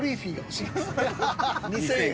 ２０００円。